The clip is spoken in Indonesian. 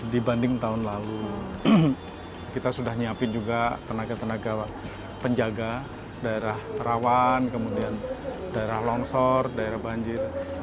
dibanding tahun lalu kita sudah nyiapin juga tenaga tenaga penjaga daerah rawan kemudian daerah longsor daerah banjir